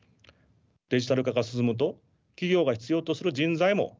デジタル化が進むと企業が必要とする人材も変わります。